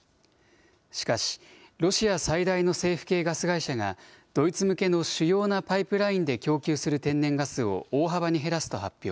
しかし、ロシア最大の政府系ガス会社がドイツ向けの主要なパイプラインで供給する天然ガスを大幅に減らすと発表。